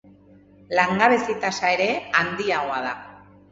Langabezi tasa ere handiagoa da.